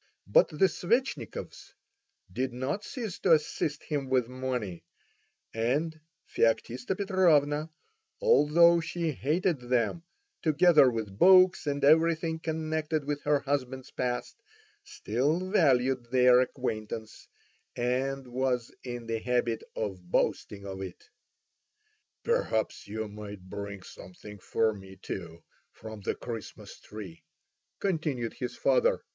But the Svetchnikovs did not cease to assist him with money, and Feoktista Petrovna, although she hated them, together with books and everything connected with her husband's past, still valued their acquaintance, and was in the habit of boasting of it. "Perhaps you might bring something for me too from the Christmas tree," continued his father.